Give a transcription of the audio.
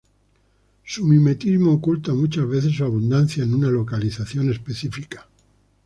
Su mimetismo oculta muchas veces su abundancia en una localización específica.